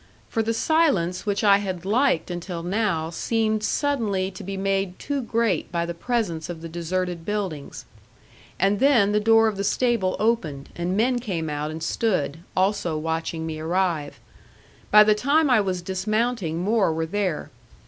For the silence which I had liked until now seemed suddenly to be made too great by the presence of the deserted buildings. And then the door of the stable opened, and men came out and stood, also watching me arrive. By the time I was dismounting more were there.